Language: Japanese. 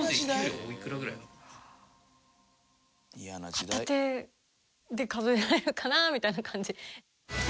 片手で数えられるかなみたいな感じ。